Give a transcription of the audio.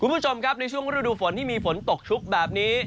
คุณผู้ชมครับในช่วงฤดูฝนที่มีฝนตกชุกแบบนี้